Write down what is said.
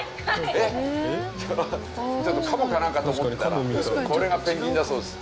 ちょっとカモかなんかと思ってたらこれがペンギンだそうです。